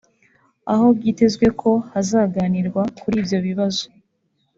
aho byitezwe ko hazaganirwa kuri ibyo bibazo